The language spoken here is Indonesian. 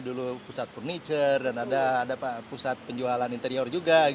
dulu pusat furniture dan ada pusat penjualan interior juga